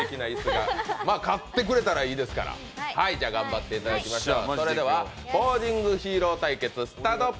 勝ってくれたらいいですから。頑張っていただきましょう。